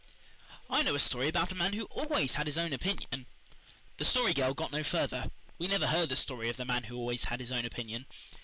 "I know a story about a man who always had his own opinion " The Story Girl got no further. We never heard the story of the man who always had his own opinion.